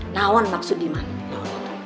nawan maksud di mana